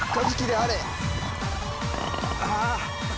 ああ。